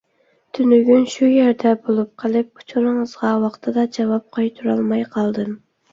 تۈنۈگۈن شۇ يەردە بولۇپ قېلىپ، ئۇچۇرىڭىزغا ۋاقتىدا جاۋاب قايتۇرالماي قالدىم.